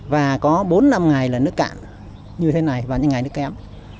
và có bốn năm ngày là nước cạn như thế này vào những ngày nước kém